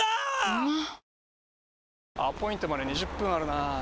うまっ！！